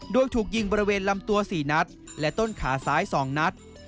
โดยถูกยิงบริเวณลำตัว๔นัดและต้นขาซ้าย๒นัด